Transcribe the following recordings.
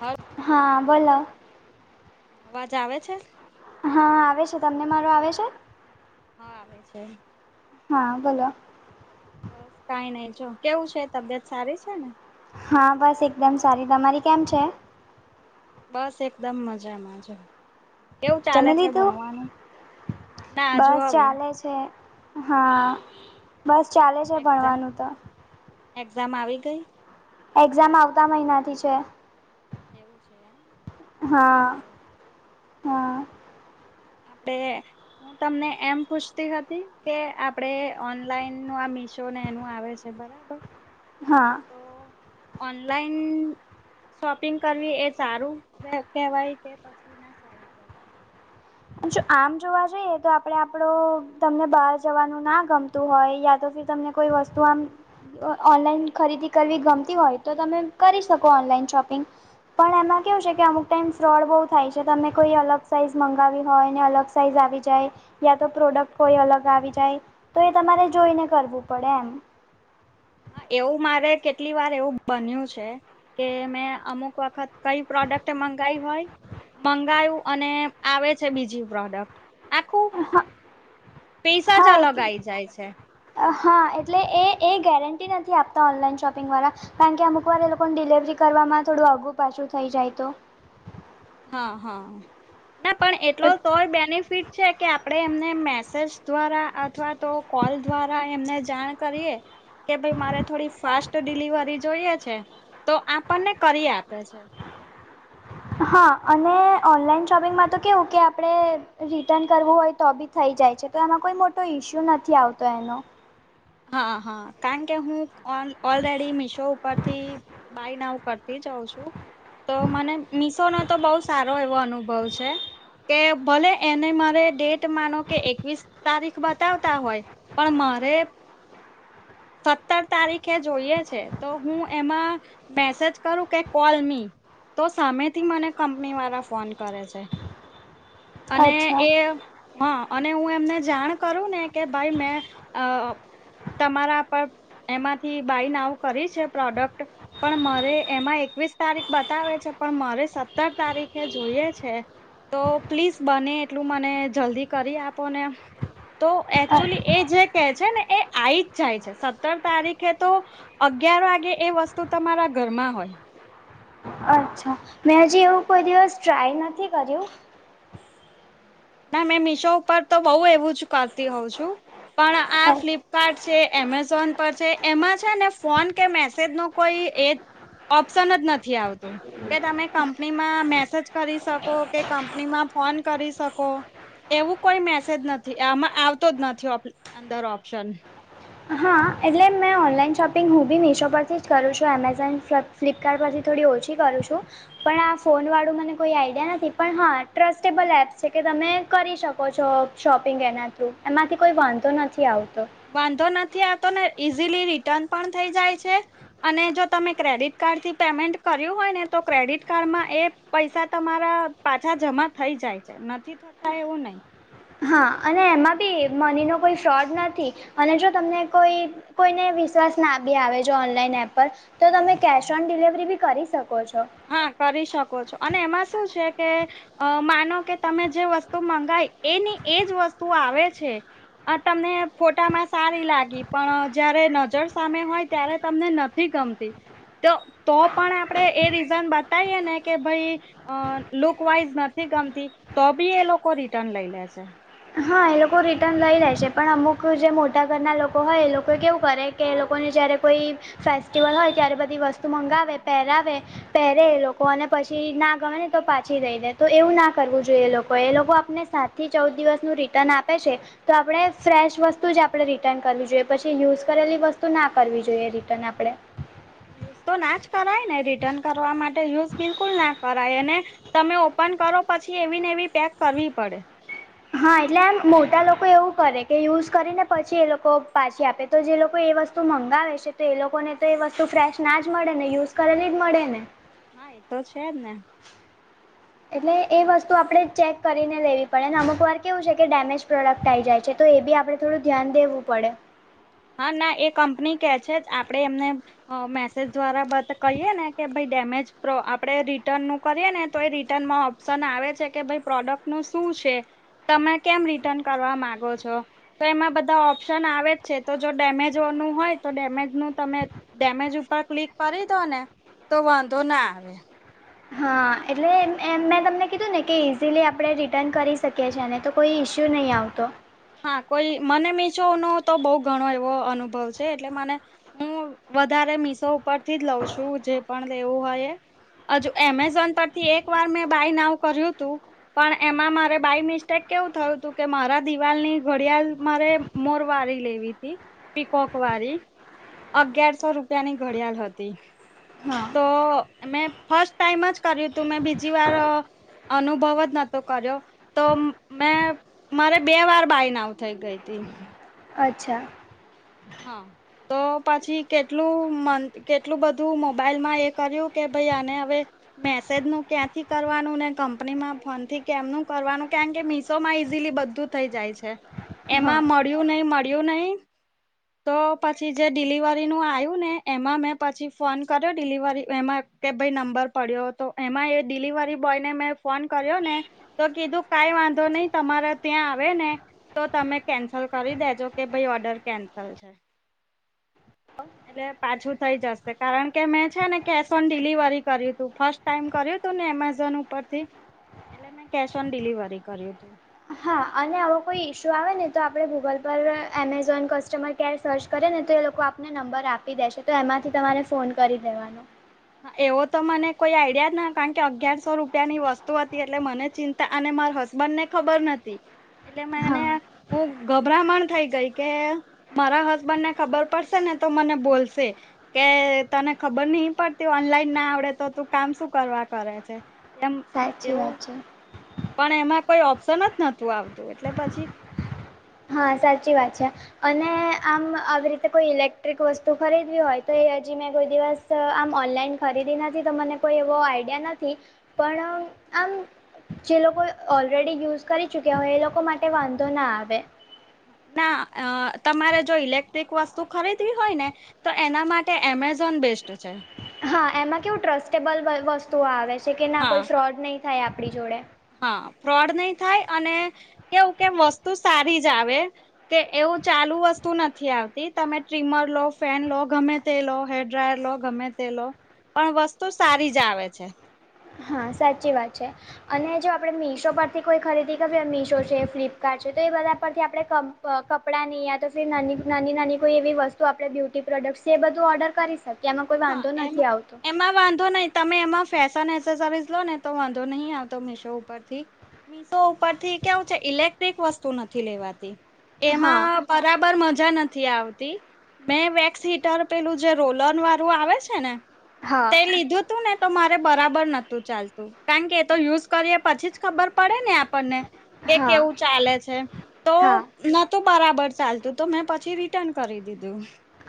હા હા બોલો. અવાજ આવે છે. હા આવે છે તમને મારો આવે છે. હા આવે છે. હા બોલો. કાંઈ નઈ જો કેવું છે તબિયત સારી છે ને. હા બસ એકદમ સારી તમારી કેમ છે. બસ એકદમ મજામાં જો. કેવું ચાલે જમી છે લીધું ભણવાનું ના જો બસ અવે. ચાલે હા બસ ચાલે છે એક્ઝામ ભણવાનું તો. એક્ઝામ આવી ગઈ. એક્ઝામ આવતા મહિનાથી છે. એવું છે એમ હા ઓહો. હા. તે. હું તમને એમ પૂછતી હતી કે આપડે ઓનલાઈન નું આ મીશો ને એનું આવે છે. એ બરાબર. હા. તો ઓનલાઈન શોપિંગ કરવી એ સારું કેવાય કે પછી ના સારું કેવાય. જો આમ જોવા જઈએ તો આપડે આપડો તમને બહાર જવાનું ના ગમ તુ હોય યા તો ફીર તમને કોઈ વસ્તુ આમ તો ઓનલાઈન ખરીદી કરવી ગમતી હોય તો તમે કરી શકો ઓનલાઈન શોપિંગ. પણ એમાં કેવું છે કે અમુક ટાઈમ ફ્રોડ બહુ થાય છે તમે કોઈ અલગ સાઈઝ મંગ ગાવી હોય ને અલગ સાઈઝ આવી જાય યાતો પ્રોડક્ટ કોઈ અલગ આવી જાય. તો એ તમારે જોઈને કરવું પડે એમ. હ એવું મારે કેટલી વાર એવું બન્યું છે. કે મેં અમુક વખત કઈ પ્રોડક્ટ મંગાઈ હોય મંગાયું અને આવે છે બીજી પ્રોડક્ટ. આખું પીસ જ હા અલગ એટલે આઈ જાય છે. હા એટલે એ એ ગેરંટી નથી આપતા ઓનલાઈન શોપિંગવાળા. કારણકે અમુક વાર એ લોકો ડિલવરી કરવામાં થોડું આઘું પાછું થઈ જાય તો. હા હા ના પણ એટલો તોય બેનિફિટ. છે કે આપડે એમને મેસેજ દ્વારા અથવા તો કોલ દ્વારા એમને જાણ કરીએ. કે ભાઈ મારે થોડી ફાસ્ટ ડિલિવરી જોઈએ છે તો આપણ ને કરી આપે છે. હા અને ઓનલાઈન શોપિંગમાં તો કેવું કે આપડે રિટર્ન કરવું હોય તો બી થઈ જાય છે તો એમાં કોઈ મોટો ઈસ્યુ નથી આવતો એનો. હા હા કારણ કે હું ઓલ ઓલરેડી મિશો ઉપરથી બાય નાવ કરતીજ હોઉં છું તો મને મીશો નો તો બવ સારો એવો અનુભવ છે. કે ભલે એને મારે ડેટ માનો કે એકવીસ તારીખ બતાવતા હોય. પણ મારે સત્તર તારીખે જોઈએ છે તો હું એમાં મેસેજ કરું કે કોલ મી. તો સામેથી મને કંપની વાળા ફોન કરે છે. અને અચ્છા એ. હા અને હું એમને જાણ કરું ને કે ભાઈ મેં અ તમારા પણ એમાંથી બાય નાવ કરી છે પ્રોડક્ટ. પણ મારે એમાં એકવીસ તારીખ બતાવે છે પણ મારે સત્તર તારીખે જોઈએ છે. તો પ્લીઝ બને એટલું મને જલ્દી કરી આપોને. તો એકચુઅલી એ જે કહે છે ને એ આઈજ જાય છે. સત્તર તારીખે તો અગિયાર વાગે એ વસ્તુ તમારા ઘરમાં હોય. અચ્છા મેં હજી એવું કોઈ દિવસ ટ્રાય નથી કર્યું. ના મેં મીશો ઉપર તો બઉુ એવું જ કરતી હોઉં છું પણ આ ફ્લિપ કાર્ટ છે એમેઝોન પર છે એમાં છે ને ફોન કે મેસેજ નો કોઈ એ ઓપ્શન જ નથી આવતો. કે તમે કંપનીમાં મેસેજ કરી શકો કે કંપનીમાં ફોન કરી શકો. એવું કોઈ મેસેજ નથી આમાં આવતો જ નથી અંદર ઓપ્શન. હા એટલે મેં ઓનલાઈન શોપિંગ હું બી મિશો પરથી જ કરું છું એમેઝોન ફ્લિપ તાર પછી થોડી ઓછી કરું છું. પણ આ ફોન વાળું મને કોઈ આઈડિયા નથી પણ હા ટ્રસ્ટેબલ એપ છે કે તમે કરી શકો છો. શોપિંગ એના થ્રુ એમાંથી કોઈ વાંધો નથી આવતો વાંધો નથી આવતો ને ઈઝીલી રિટર્ન પણ થઈ જાય છે અને જો તમે ક્રેડિટ કાર્ડ થી પેમેન્ટ કર્યું હોય ને તો ક્રેડિટ કાર્ડમાં એ પૈસા તમારા પાછા જમા થઈ જાય છે નથી થતા એવું નહી. હા અને એમાં બી મની નો કોઈ ફ્રોડ નથી અને જો તમને કોઈ કોઈને વિશ્વાસ ના બી આવે જો ઓનલાઈન એપ પર તો તમે કેશ ઓન ડિલિવરી બી કરી શકો છો હા કરી શકો છો અને એમાં શું છે કે અ માનો કે તમે જે વસ્તુ મંગાય એની એજ વસ્તુ આવે છે આ તમે ફોટામાં સારી લાગી પણ જયારે નજર સામે હોય ત્યારે તમને ન ગમતી તો તો પણ આપણેે એ રીઝન બતાવીએ ને કે ભાઈ અ લુક વાઈઝ નથી ગમતી તો બી એ લોકો રિટર્ન લઈ લે છે હા એ લોકો રિટર્ન લઈ લે છે પણ અમુક જે મોટા ઘરના લોકો હોય એ લોકો કેવું કરે કે લોકોને જ્યારે કોઈ ફેસ્ટિવલ હોય ત્યારે બધી વસ્તુ મંગાવે પહેરાવે પહેરે એ લોકો અને પછી ના ગમે ને તો પાછી લઈ દે તો એવું ના કરવું જોઈએ એ લોકો એ લોકો આપને સાથે થી ચૌદ દિવસનું રિટર્ન આપે છે તો આપણે ફ્રેશ વસ્તુ જ આપણે રિટર્ન કરવી જોઈએ પછી યુઝ કરેલી વસ્તુ ના કરવી જોઈએ રિટર્ન આપણે યુઝ તો ના જ કરાય ને રિટર્ન કરવા માટે યુઝ બિલકુલ ના કરાય તમે ઓપન કરો પછી એવી ને એવી પેક કરવી પડે હા એટલે એમ મોટા લોકો એવું કરે કે યુઝ કરીને પછી એ લોકો પાછી આપે તો જે લોકો એ વસ્તુ મંગાવે છે તો એ લોકોને તો એ વસ્તુ ફ્રેશ ના જ મળે ને યુઝ કરેલી જ મળે ને હા એતો છેજ ને એટલે એ વસ્તુ આપડણે ચેક કરીને લેવી પડે ને અમુક વાર કેવું છે કે ડેમેજ પ્રોડક્ટ આવી જાય છે તો એ બી આપણે થોડું ધ્યાન દેવું પડે હા ના એ કંપની કે છે જ આપડે એમને મેસેજ દ્વારા બધ કહીએ ને કે ભાઈ ડેમેજ પ્રો આપણે રિટર્નનું કરીએ ને તો એ રિટર્નમાં ઓપ્શન આવે છે કે ભાઈ પ્રોડક્ટ નું શું છે? તમે કેમ રિટર્ન કરવા માંગો છો તો એમાં બધા ઓપ્શન આવે જ છે તો જો ડેમેજ નું હોય તો ડેમેજ નું તમે ડેમેજ ઉપર ક્લિક કરી દો ને તો વાંધો ના આવે. હા એટલે એમ મેં તમને કીધું ને કે ઈઝીલી આપણે રિટર્ન કરી શકીએ છીએ અને તો કોઈ ઇશ્યુ નહીં આવતો હા કોઈ મને મીશો નો તો બહુ ઘણો એવો અનુભવ છે એટલે મને હું વધારે મીશો ઉપરથી જ લઉં છું જે પણ લેવું હોય એ હજુ એમેઝોન પરથી એક વાર મેં બાય નાવ કર્યું હતું પણ એમાં મારે બાય મિસ્ટેક કેવું થયું હતું કે મારા દી વાલ ની ઘડિયાળ મારે મોર વાળ લેવી તથી પીકોક વાળી અગિયારસો રૂપિયાની ઘડિયાળ હતી. હા તો મેં ફર્સ્ટ ટાઈમ જ કર્યું તું મેં બીજી વાર અનુભવ જ નતો કર્યો તો મેં મારે બે વાર બાય નાવ થઈ ગઈ તી અચ્છા. હા. તો પછી કેટલું મ કેટલું બધું મોબાઈલમાં એ કર્યું કે ભાઈ આને હવે મેસેજ ન ક્યાંથી કરવાનું ને કંપનીમાં ફોન થી કેમનું કરવાનું કારણ કે મિશોમાં ઈઝીલી બધું થઈ જાય છે હા એમાં મળ્યું નહી મળ્યું નહી તો પછી જે ડિલિવરીનું આવ્યું ને એમાં મેં પછી ફોન કર્યો ડિલિવરી એમાં કે ભાઈ નંબર પડ્યો તો એમાં એ ડિલિવરી બોય ને મેં ફોન કર્યો ને તો કીધું કઈ વાંધો નઈ તમારા ત્યાં આવે ને તો તમે કેન્સલ કરી દેજો કે ભાઈ ઓર્ડર કેન્સલ છે. એટલે પાછું થઈ જશે કારણ કે મેં છે ને કેશ ઓન ડિલિવરી કર્યું હતું ફર્સ્ટ ટાઈમ કર્યું હતું ને એમેઝોન ઉપરથી એટલે મેં કેશ ઓન ડિલિવરી કર્યું હતું હા અને આવો કોઈ ઇશ્યુ આવે ને તો આપણે ગૂગલ પર એમેઝોન કસ્ટમર કેર સર્ચ કરે ને તો એ લોકો આપને નંબર આપી દેશે તો એમાંથી તમારે ફોન કરી દેવાનો એવો તો મને કોઈ આઈડિયા જ ના કારણ કે અગિયારસો રૂપિયાની વસ્તુ હતી એટલે મને ચિં અને મારા હસબન્ડ ને ખબર નથી એટલે હા મેને હું ગભરામણ થઈ ગઈ કે મારા હસબન્ડ ને ખબર પડશે ને તો મને બોલશે કે તને ખબર નહી પડ ઓનલાઈન ના આવડે તો તું કામ શું કરવા કરે છે. એમ સાચી એવું વાત છે. પણ એમાં કોઈ ઓપ્શન જ નતું આવતું એટલે પછી હા સાચી વાત છે. અને આમ આવી રીતે કોઈ ઇલેક્ટ્રિક વસ્તુ ખરીદવી હોય તો એ હજી મેં કોઈ દિવસ આમ ઓનલાઈન ખરીદી નથી તો મને કોઈ એવો આઈડિયા નથી પણ આમ જે લોકો ઓલરેડી યુઝ કરી ચુક્યા હોય એ લોકો માટે વાંધો ના આવે ના તમારે જો ઇલેક્ટ્રિક વસ્તુ ખરીદવી હોય ને તો એના માટે એમેઝોન બેસ્ટ છે. હા એમાં કેવું ટ્રસ્ટેબલ વ વસ્તુઓ આવે છે કે ના હા કોઈ ફ્રોડ નહી થાય આપણી જોડે હા ફ્રોડ નહી થાય અને કેવું કેમ વસ્તુ સારી જ આવે કે એવું ચાલુ વસ્તુ નથી આવતી તમે ટ્રીમર લો ફેન લો ગમે તે લો હેર ડ્રાયર લો ગમે તે લો પણ વસ્તુ સારી જ આવે છે. હા સાચી વાત છે. અને જો આપણે મીશો પરથી કોઈ ખરીદી કર મીશો છે ફ્લિપકાર્ટ છે તો એ બધા પરથી આપણે ક અ કપડાંની યાતો ફિર નાની નાની કોઈ એવી વસ્તુ આપણે બ્યુટી પ્રોડક્ટ્સ છે એ બધું ઓર્ડર કરી શકીએ ત્યામાં કોઈ હા વાંધો એમાં નથી આવતો. એમાં વાંધો નહી તમે એમાં ફેશન એસેસરી લો ને તો વાંધો નહીિ આવતો મીશો ઉપરથી. મીશો ઉપર થી કેવું છે ઇલેક્ટ્રિક વસ્તુ નથી લેવાતી હા એમાં બરાબર મજા નથી આવતી મેં વેક્સ હીટર પેલું જે રોલર વા રુ આવે છે ને હા તે લીધું તું ને તો મારે બરાબર નતું ચાલતું કારણ કે એ તો યુઝ કરીએ પછી જ ખબર પડે ને આપણને કે હા કેવું ચાલે છે તો હા નતું બરાબર ચાલતું તો મેં પછી રિટર્ન કરી દીધું.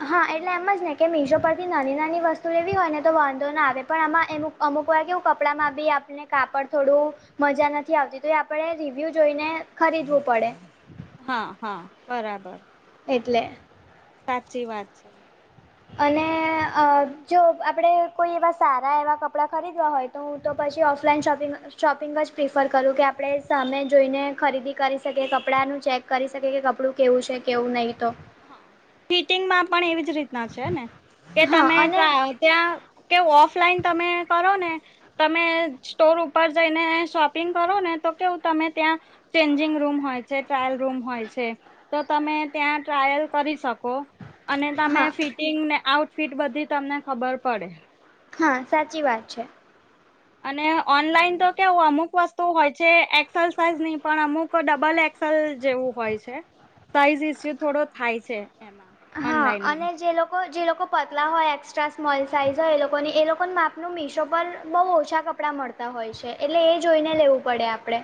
હા એટલે એમ જ ને કે મીશો પરથી નાની નાની વસ્તુ લેવી હોય ને તો વાંધો ના આવે પણ આમાં એમુ અમુક વાર કેવું કપડા માં બી આપ કાપડ થોડું મજા નથી આવતી તો એ આપણે રિવ્યુ જોઈને ખરીદવું પડે હા હા બરાબર એટલે. સાચી વાત છે. અને અ જો આપડે કોઈ એવા સારા એવા કપડા ખરીદવા હોય તો હું તો પછી ઓફલાઈન શોપિંગ શોપિંગ જ પ્રિફર કરું કે આપણે સામે જોઈને ખરીદી કરી શકીએ કપડાંનું ચેક કરી શકે કે કપડું કેવું છે કેવું નહી તો. ફિટિંગમાં પણ એવી જ રીતના છે ને કે હા તમે અને જાવ ત્યાં. કે ઓફલાઈન તમે કરો ને. તમે સ્ટોર ઉપર જઈને શોપિંગ કરો ને તો કેવું તમે ત્યાં. ચેન્જિંગ રૂમ હોય છે ટ્રાયલ રૂમ હોય છે તો તમે ત્યાં. ટ્રાયલ કરી શકો અને તમે હા ફિટ ફિટિગ ને આઉટફિટ બધી તમને ખબર પડે. હા સાચી વાત છે. અને ઓનલાઈન તો કેવું અમુક વસ્તુ હોય છે એક સેલ સાઇઝ ની પણ અમુક ડબલ એક્સેલ જેવું હોય છે સાઈઝ ઇસ્યુ થોડો થાય છે એમાં હા અને ઓનલાઈનમાં જે લોક. લોકો જે લોકો પતલા હોય એક્સ્ટ્રા સ્મોલ સાઈઝ હોય એ લોકોને એ લોકોનું માપનું મીશો પર બહુ ઓછા કપડાં મળ. મળતા હોય છે એટલે એ જોઈને લેવું પડે આપડે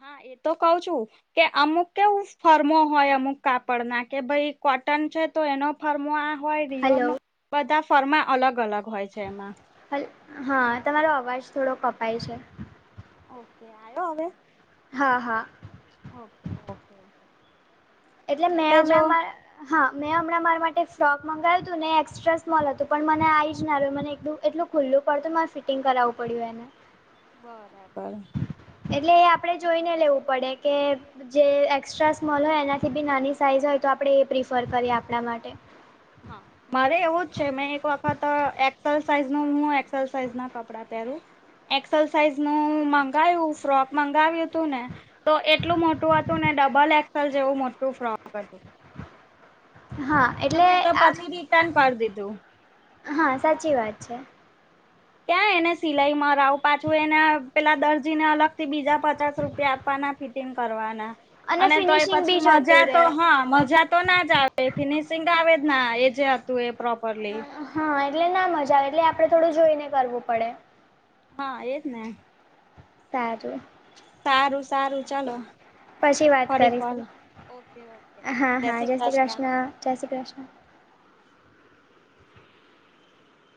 હા એ તો કઉ છું. કે અમુક કેવું ફર્મો હોય અમુક કાપડ ના કે ભાઈ કોટન છે તો એનો ફરમો આ. હોય રિઓ હલો નો બધા ફર્મા અલગ અલગ હોય છે એમાં. હલ હા તમારો અવાજ થોડો કપાય છે. ઓકે આયો હવે. હા હા. Okay okay. એટલે મેં હમણાં મારા. હા મેં હમણાં મારા માટે ફ્રોક મંગાવું હતું ને એક્સ્ટ્રા સ્મોલ હતું પણ મને આ જ ના રહ્યું મને એકું. એટલું ખુલ્લું પડતું મારે ફિટિંગ કરાવવું પડ્યું એને. બરાબર. એટલે એ આપડે જોઈને લેવું પડે કે. જે એસ્ટ્રા સ્મોલ હોય એનાથી બી નાની સાઈઝ હોય તો આપણે એ પ્રિફર કરીએ આપણા માટે. હ મારે એવું જ છે મેં એક વખત એકસેલ સાઇઝ નું હું એક્સેલ સાઇઝ ના કપડા પેરુ એક્સેલ સાઈઝ નું મંગાવું ફ્રોક મંગાવ્યું તું ને. તો એટલું મોટું હતું ને ડબલ એક્સેલ જેવું મોટું ફ્રોક હતું. હા. તો એટલે મેં તો આ પછી રિટર્ન કરી દીધું. હા સાચી વાત છે. ક્યાં એને સિલાઈ મરા‌ઉ પાછું એને પેલા દર્જીને અલગ થી બીજા પચાસ રૂપિયા આપવાના ફિટિંગ કરવાના અને તો એ ફિનિશિંગ બી પછી જતું મજા તો રે હા મજા તો ના જ આવે. એ ફિનિશિંગ આવે જ ના એ જે હતું એ પ્રોપરલી. હા એટલે ના મજા આવે એટલે આપડે થોડું જોઈને કરવું પડે. હા એ જ ને. સારું. સારું સારું ચલો. પછી વાત કરીશું હા હા જય શ્રી કૃષ્ણ જય શ્રી કૃષ્ણ